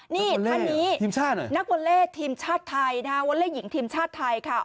นี่ท่านนี้นักวนเลททีมชาติไทยนะคะ